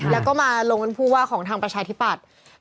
แล้วก็มาลงเป็นผู้ว่าของทางประชาธิปัตย์